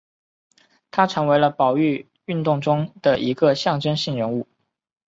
他成为了保育运动中的一个象征性人物。